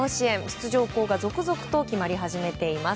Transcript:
出場校が続々と決まり始めています。